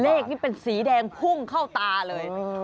เลขนี้เป็นสีแดงพุ่งเข้าตาเลย